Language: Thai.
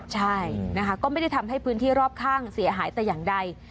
ใช่นะคะก็ไม่ได้ทำให้พื้นที่รอบข้างเสียหายแต่อย่างใด